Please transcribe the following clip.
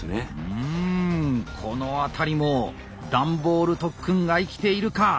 うんこの辺りも段ボール特訓が生きているか？